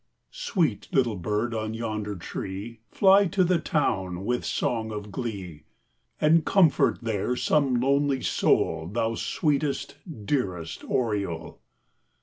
Sweet little bird on yonder tree, Fly to the town with song of glee And comfort there some lonely soul, Thou sweetest, dearest oriole!